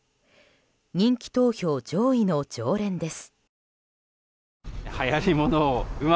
人気投票上位の常連です。